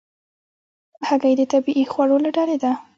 هګۍ د طبیعي خوړو له ډلې ده.